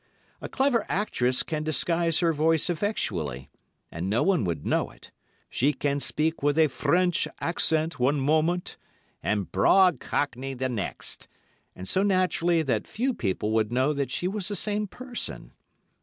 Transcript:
A clever actress can disguise her voice effectually, and no one would know it. She can speak with a French accent one moment and broad cockney the next, and so naturally that few people would know she was the same person.